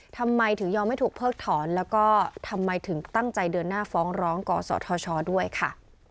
ทำไมถึงยอมให้ถูกเพิกถอนแล้วก็ทำไมถึงตั้งใจเดินหน้าฟ้องร้องกศธชด้วยค่ะ